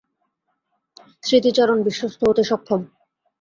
স্মৃতিচারণ, বিশ্বস্ত হতে সক্ষম।